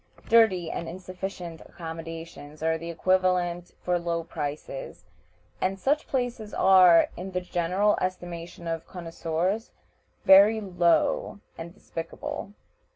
Dirty and insufficient accommodations are the equivalents for low prices, and such places are, in the general estimation of connoiseurs, very low and despicable.